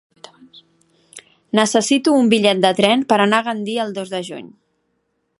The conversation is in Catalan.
Necessito un bitllet de tren per anar a Gandia el dos de juny.